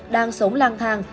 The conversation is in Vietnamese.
đang sống lang thang